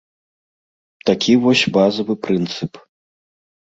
Такі вось базавы прынцып.